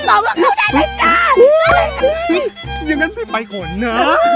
ดีงั้นไปก่อนนะ